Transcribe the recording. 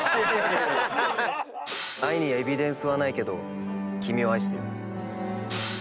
「愛にエビデンスは無いけど、君を愛している！」